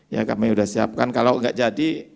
ya kami sudah siapkan kalau enggak jadi